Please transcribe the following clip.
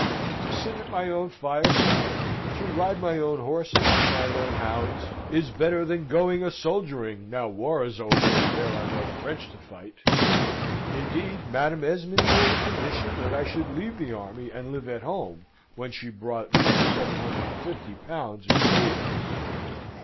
To sit at my own fireside, to ride my own horses to my own hounds, is better than going a soldiering, now war is over, and there are no French. to fight. Indeed, Madam Esmond made a condition that I should leave the army, and live at home, when she brought me her 1750 pounds of savings.